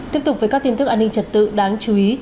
tiếp tục với các tin tức an ninh trật tự đáng chú ý